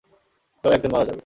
কেউ একজন মারা যাবে।